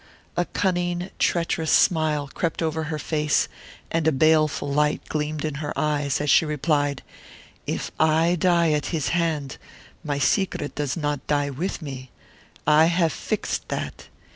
A cunning, treacherous smile crept over her face and a baleful light gleamed in her eyes, as she replied, "If I die at his hand my secret does not die with me. I have fixed that.